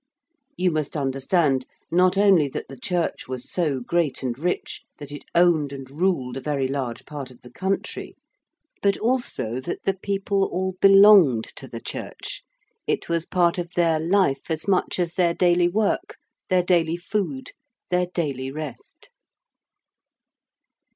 You must understand, not only that the Church was so great and rich that it owned and ruled a very large part of the country, but also that the people all belonged to the Church: it was part of their life as much as their daily work, their daily food, their daily rest.